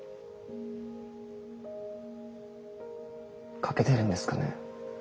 描けてるんですかね？